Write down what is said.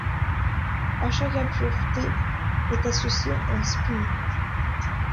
À chaque impureté est associée un spin.